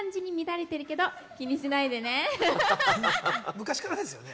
昔からですよね。